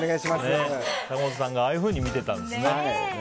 坂本さんがああいうふうに見てたんですね。